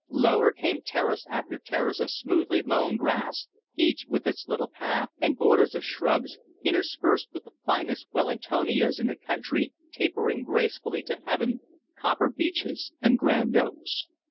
Lower came terrace after terrace of smoothly mown grass, each with its little path and borders of shrubs, interspersed with the finest Wellingtonias in the county, tapering gracefully to heaven, copper beeches and grand oaks.